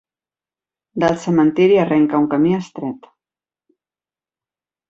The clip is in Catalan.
Del cementiri arrenca un camí estret.